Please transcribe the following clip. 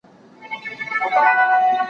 زه پرون د سبا لپاره د ژبي تمرين کوم..